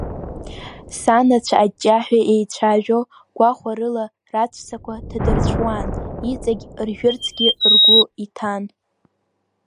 Санацәа аҷҷаҳәа еицәажәо, гәахәарыла рацәцақәа ҭадырцәуан, иҵегь ржәырцгьы ргәы иҭан.